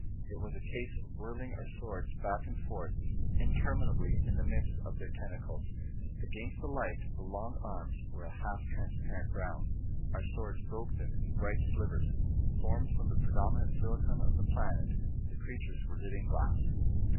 It was a case of whirling our swords back and forth interminably in the midst of their tentacles. Against the light, the long arms were a half transparent brown. Our swords broke them in bright shivers. Formed from the predominant silicon of the planet, the creatures were living glass!